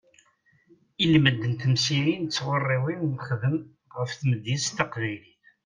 Ilmend n temsirin d tɣuriwin nexdem ɣef tmedyazt taqbaylit.